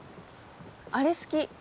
あれ好き。